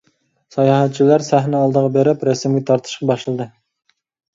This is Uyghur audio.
ساياھەتچىلەر سەھنە ئالدىغا بېرىپ رەسىمگە تارتىشقا باشلىدى.